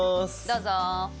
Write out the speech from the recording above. どうぞ！